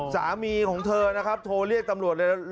สามีของเธอโทรเรียกตำรวจเลย